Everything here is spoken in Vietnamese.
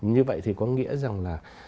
như vậy thì có nghĩa rằng là